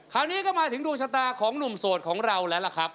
คราวนี้ก็มาถึงดวงชะตาของหนุ่มโสดของเราแล้วล่ะครับ